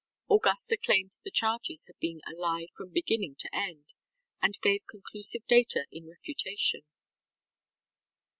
Augusta claimed the charges had been a lie from beginning to end and gave conclusive data in refutation.